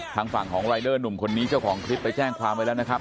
ทางฝั่งของรายเดอร์หนุ่มคนนี้เจ้าของคลิปไปแจ้งความไว้แล้วนะครับ